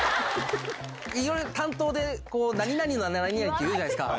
いろいろ担当で何々の何々っていうじゃないですか。